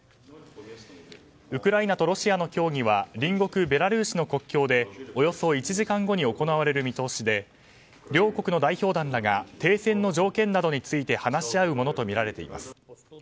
ウクライナとロシアの協議は隣国ベラルーシの国境でおよそ１時間後に行われる見通しで両国の代表団らが停戦の条件などを話し合うものとみられています。